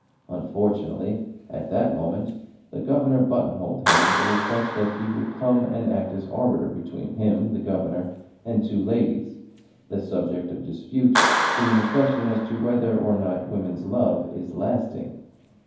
Unfortunately at that moment the Governor buttonholed him with a request that he would come and act as arbiter between him (the Governor) and two ladies the subject of dispute being the question as to whether or not woman's love is lasting.